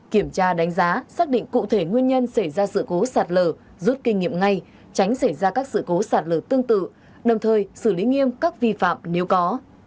kiểm tra đánh giá xác định cụ thể nguyên nhân xảy ra sự cố sạt lở rút kinh nghiệm ngay tránh xảy ra các sự cố sạt lở tương tự đồng thời xử lý nghiêm các vi phạm nếu có